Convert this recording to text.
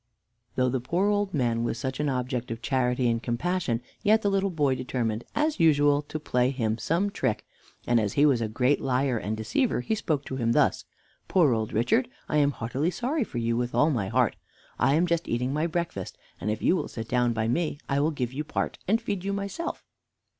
'" Though the poor old man was such an object of charity and compassion, yet the little boy determined, as usual, to play him some trick, and as he was a great liar and deceiver, he spoke to him thus: "Poor old Richard, I am heartily sorry for you with all my heart. I am just eating my breakfast, and if you will sit down by me I will give you part, and feed you myself."